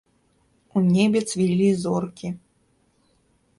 У небе цвілі зоркі.